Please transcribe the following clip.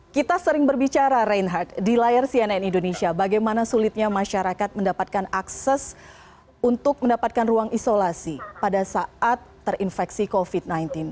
kita sering berbicara reinhardt di layar cnn indonesia bagaimana sulitnya masyarakat mendapatkan akses untuk mendapatkan ruang isolasi pada saat terinfeksi covid sembilan belas